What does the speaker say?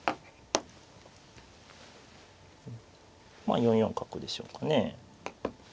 まあ４四角でしょうかね。